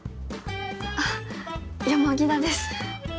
あっ田です。